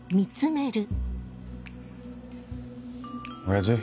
親父？